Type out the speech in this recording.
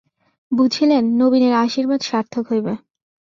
বুঝিলেন, নবীনের আশীর্বাদ সার্থক হইবে।